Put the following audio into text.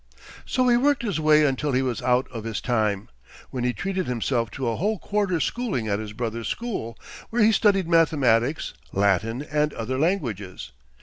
So he worked his way until he was out of his time, when he treated himself to a whole quarter's schooling at his brother's school, where he studied mathematics, Latin and other languages.